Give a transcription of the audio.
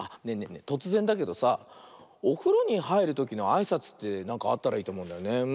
えとつぜんだけどさおふろにはいるときのあいさつってなんかあったらいいとおもうんだよね。